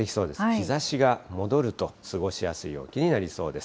日ざしが戻ると過ごしやすい陽気になりそうです。